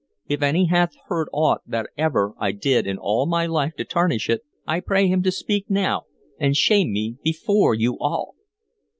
If any hath heard aught that ever I did in all my life to tarnish it, I pray him to speak now and shame me before you all!"